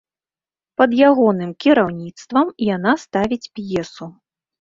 Пад ягоным кіраўніцтвам яна ставіць п'есу.